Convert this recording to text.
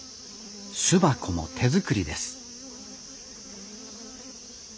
巣箱も手作りです